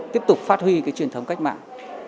tiếp tục phát huy truyền thống cách mạng